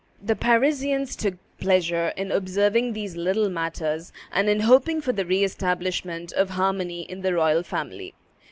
The Parisians took pleasure in observing these little matters, and in hoping for the re establishment of harmony in the royal family.